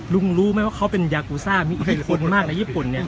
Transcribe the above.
รู้ไหมว่าเขาเป็นยากูซ่ามีกี่คนมากในญี่ปุ่นเนี่ย